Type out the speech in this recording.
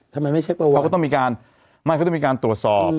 ไม่ใช่ประวัติเขาก็ต้องมีการไม่เขาต้องมีการตรวจสอบ